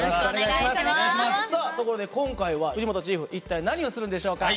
さあところで今回は藤本チーフ一体何をするんでしょうか？